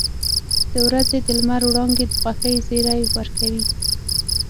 • د ورځې د لمر وړانګې د خوښۍ زیری ورکوي.